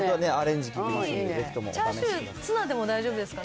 チャーシュー、ツナでも大丈夫ですかね。